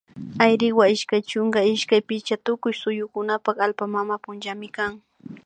Ayriwa ishkay chunka ishkay pika tukuy suyukunapak allpa mama punllami kan